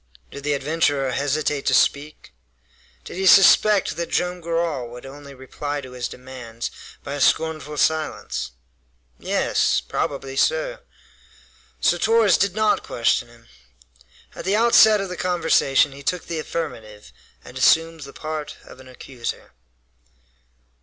Did the adventurer hesitate to speak? Did he suspect that Joam Garral would only reply to his demands by a scornful silence? Yes! Probably so. So Torres did not question him. At the outset of the conversation he took the affirmative, and assumed the part of an accuser.